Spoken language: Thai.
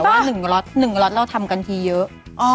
แต่ว่าหนึ่งกล้อดเราทำกันทีเยอะ